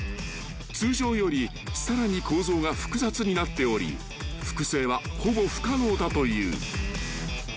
［通常よりさらに構造が複雑になっており複製はほぼ不可能だという］